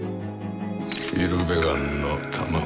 イルベガンの卵。